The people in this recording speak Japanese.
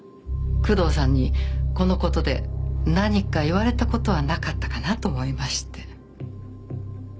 工藤さんにこの事で何か言われた事はなかったかなと思いまして。